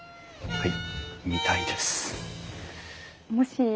はい。